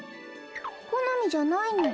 このみじゃないの。